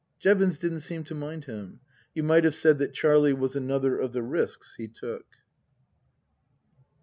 Jevons didn't seem to mind him. You might have said that Charlie was another of the risks he took.